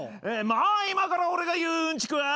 まあ今から俺が言ううんちくは。